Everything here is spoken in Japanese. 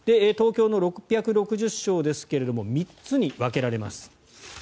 東京の６６０床ですが３つに分けられます。